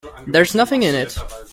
There's nothing in it.